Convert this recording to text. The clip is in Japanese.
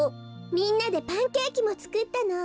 みんなでパンケーキもつくったの。